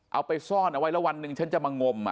เอาไปซ่อนเอาไว้แล้ววันหนึ่งฉันจะมางม